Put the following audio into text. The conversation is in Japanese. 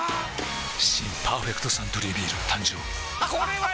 新「パーフェクトサントリービール」誕生はっはっは！